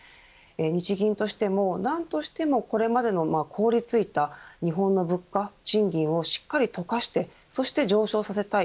日銀としても、何としてもこれまでの凍りついた日本の物価、賃金をしっかり溶かしてそして上昇させたい。